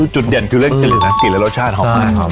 จุดเด่นคือเรื่องกลิ่นและรสชาติครับ